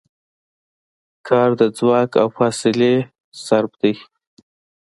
کار د ځواک او فاصلې ضرب دی.